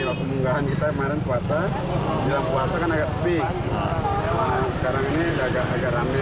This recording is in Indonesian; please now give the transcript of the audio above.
warga mengaku tetap memilih berziarah karena sudah menjadi tradisi